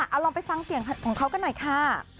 เอาลองไปฟังเสียงของเขากันหน่อยค่ะ